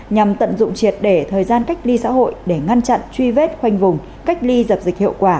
nhằm tận dụng triệt để thời gian cách ly xã hội để ngăn chặn truy vết khoanh vùng cách ly dập dịch hiệu quả